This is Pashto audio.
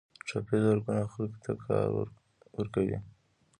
ټاپي زرګونه خلکو ته کار ورکوي